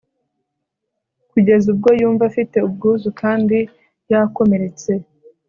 Kugeza ubwo yumva afite ubwuzu kandi yakomeretse